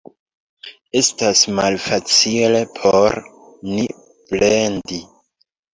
Estas malfacile por ni plendi.